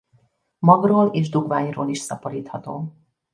Magról és dugványról is szaporítható.